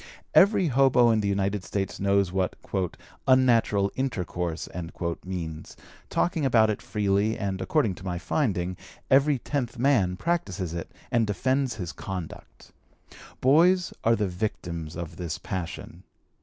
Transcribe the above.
Every hobo in the United States knows what "unnatural intercourse" means, talking about it freely, and, according to my finding, every tenth man practises it, and defends his conduct. Boys are the victims of this passion.